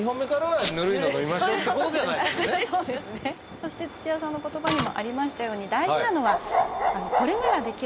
そして土屋さんの言葉にもありましたように大事なのは「これならできる」。